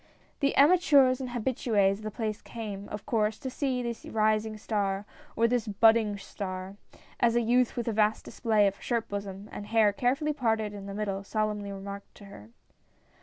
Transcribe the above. The amateurs and habitues of the place came, of course, to see "this rising star," or, "this budding star," as a youth with a vast display of shirt bosom and hair carefully parted in the middle, solemnl}'^ remarked to her.